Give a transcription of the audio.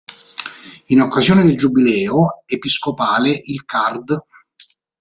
In occasione del giubileo episcopale il card.